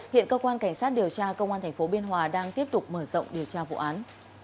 hiện cơ quan cảnh sát điều tra công an tp biên hòa đang tiếp tục mở rộng điều tra vụ án